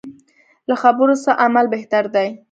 له خبرو څه عمل بهتر دی.